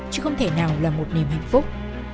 chứ không thể nào là một niềm hạnh phúc